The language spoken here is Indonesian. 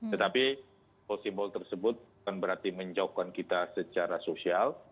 tetapi simbol simbol tersebut bukan berarti menjauhkan kita secara sosial